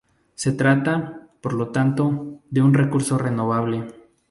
Se trata, por lo tanto, de un recurso renovable.